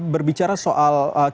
berbicara soal kita dalam